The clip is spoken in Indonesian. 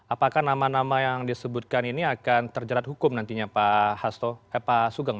apakah nama nama yang disebutkan ini akan terjerat hukum nantinya pak sugeng